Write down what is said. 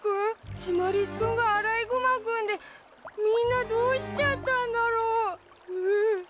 シマリス君がアライグマ君でみんなどうしちゃったんだろう？うぅ。